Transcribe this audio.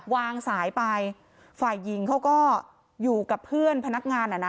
วางสายไปฝ่ายหญิงเขาก็อยู่กับเพื่อนพนักงานอ่ะนะ